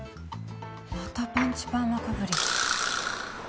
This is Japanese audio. またパンチパーマかぶり。